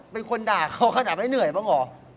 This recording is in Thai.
เป็นคนด่าเขาขนาดไม่เหนื่อยบ้างเหรอ